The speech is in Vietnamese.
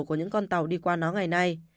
của những con tàu đi qua nó ngày nay